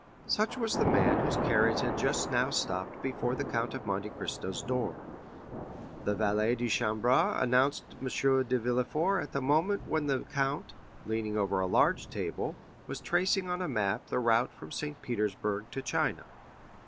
Such was the man whose carriage had just now stopped before the Count of Monte Cristo's door. The valet de chambre announced M. de Villefort at the moment when the count, leaning over a large table, was tracing on a map the route from St. Petersburg to China.